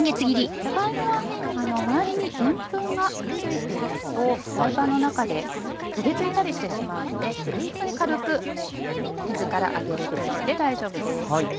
じゃが芋は周りにでんぷんが付いているとフライパンの中で焦げ付いたりしてしまうのでホントに軽く水から上げる程度で大丈夫です。